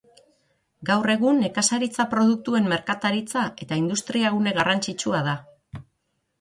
Gaur egun nekazaritza-produktuen merkataritza eta industria-gune garrantzitsua da.